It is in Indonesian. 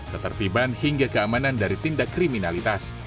ketertiban hingga keamanan dari tindak kriminalitas